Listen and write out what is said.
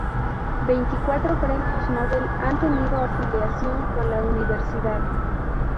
Veinticuatro premios Nobel han tenido afiliación con la universidad.